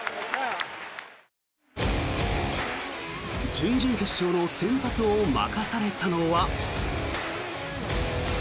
準々決勝の先発を任されたのは。